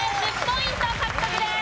１０ポイント獲得です。